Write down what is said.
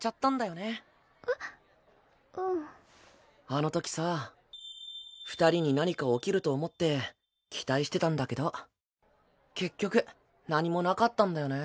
あのときさ二人に何か起きると思って期待してたんだけど結局何もなかったんだよね。